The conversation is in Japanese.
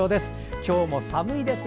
今日も寒いですね。